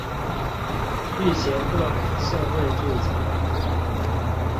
育賢段社會住宅